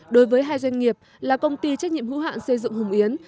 đối với hai doanh nghiệp là công ty trách nhiệm hữu hạn xây dựng hùng yến